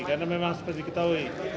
karena memang seperti kita tahu